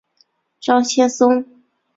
张先松。